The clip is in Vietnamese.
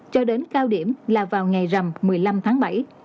cho đến cao điểm là vào ngày rằm một mươi năm tháng bảy